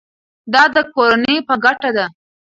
دا د کورنۍ په ګټه ده.